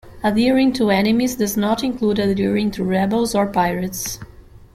Adhering to "enemies" does not include adhering to rebels or pirates.